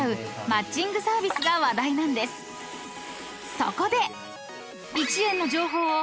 ［そこで］